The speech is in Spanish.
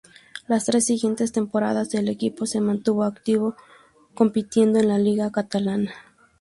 Las tres siguientes temporadas el equipo se mantuvo activo compitiendo en la Liga Catalana.